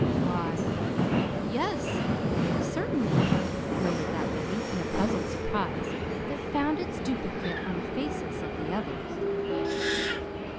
"Why, y yes, certainly," murmured that lady, in a puzzled surprise that found its duplicate on the faces of the others.